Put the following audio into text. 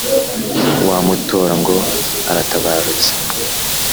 wa mutora ngo aratabarutse.